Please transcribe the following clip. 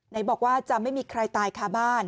ไหนบอกว่าจะไม่มีใครตายคาบ้าน